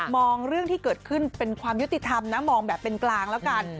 เรื่องที่เกิดขึ้นเป็นความยุติธรรมนะมองแบบเป็นกลางแล้วกัน